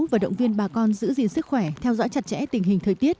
và động viên bà con giữ gìn sức khỏe theo dõi chặt chẽ tình hình thời tiết